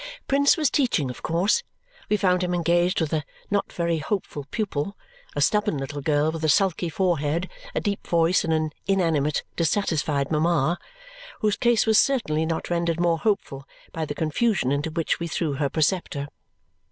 Prince was teaching, of course. We found him engaged with a not very hopeful pupil a stubborn little girl with a sulky forehead, a deep voice, and an inanimate, dissatisfied mama whose case was certainly not rendered more hopeful by the confusion into which we threw her preceptor.